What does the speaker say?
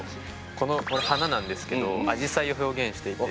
このこれ花なんですけどアジサイを表現していて。